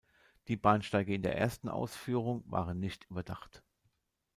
Die Bahnsteige in der ersten Ausführung waren nicht überdacht.